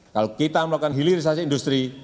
kalau kita melakukan hilirisasi industri